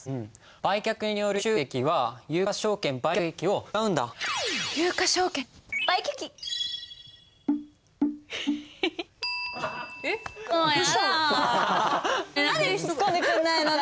売却による収益は有価証券売却益を使うんだ。